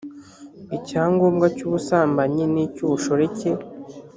icyangombwa cy ubusambanyi n icy ubushoreke